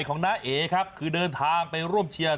น้าเอ๋ครับคือเดินทางไปร่วมเชียร์